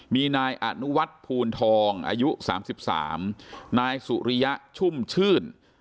มีนายอาณุวัติภูณธองอายุสามสิบสามนายสุริยชุ่มชื่น